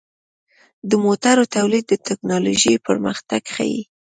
د موټرو تولید د ټکنالوژۍ پرمختګ ښيي.